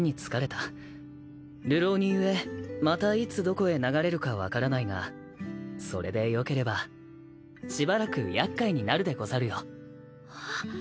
流浪人故またいつどこへ流れるか分からないがそれでよければしばらく厄介になるでござるよ。